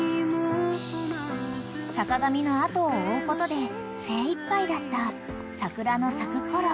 ［坂上の後を追うことで精いっぱいだった桜の咲くころ］